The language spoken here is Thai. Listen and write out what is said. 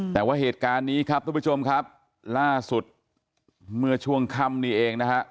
แต่ว่าเหตุการณ์นี้ครับทุกผู้ชมครับล่าสุดเมื่อช่วงค่ำนี้เองนะฮะ